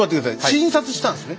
診察したんですね？